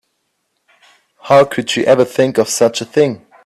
How could you ever think of such a thing?